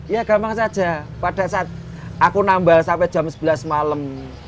ya gampang saja pada saat aku nambah sampai jam sebelas malam